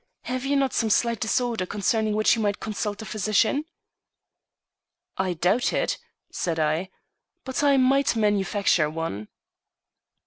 Have you not some slight disorder concerning which you might consult a physician?" "I doubt it," said I; "but I might manufacture one."